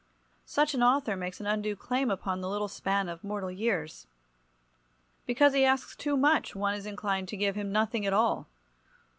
Such an author makes an undue claim upon the little span of mortal years. Because he asks too much one is inclined to give him nothing at all.